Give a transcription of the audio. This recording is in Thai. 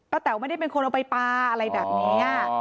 แต๋วไม่ได้เป็นคนเอาไปปลาอะไรแบบนี้